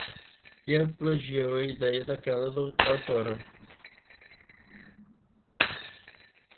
Ele plagiou a ideia daquela autora.